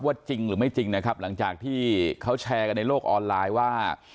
จริงหรือไม่จริงนะครับหลังจากที่เขาแชร์กันในโลกออนไลน์ว่า